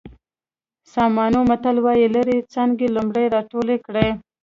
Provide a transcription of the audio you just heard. ساموني متل وایي لرې څانګې لومړی راټولې کړئ.